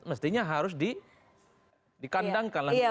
mestinya harus dikandangkan